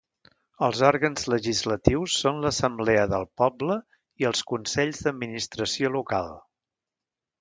Els òrgans legislatius són l'Assemblea del Poble i els consells d'Administració Local.